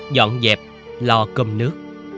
dọn dẹp lo cơm nước